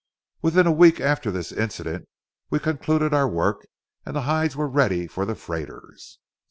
Within a week after this incident, we concluded our work and the hides were ready for the freighters.